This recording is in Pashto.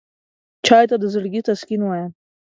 چای ته د زړګي تسکین وایم.